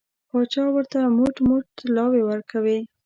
پاچا ورته موټ موټ طلاوې ورکوي.